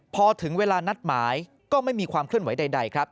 พอถึงเวลานัดหมายก็ไม่มีความเคลื่อนไหวใดครับ